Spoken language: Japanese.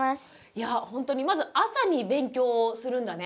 いや本当にまず朝に勉強をするんだね。